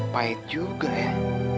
pahit juga ya